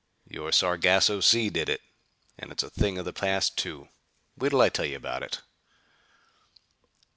"Your Sargasso Sea did it. And it's a thing of the past, too. Wait till I tell you about it!"